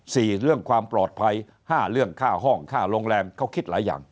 เรื่องความปลอดภัยห้าเรื่องค่าห้องค่าโรงแรมเขาคิดหลายอย่าง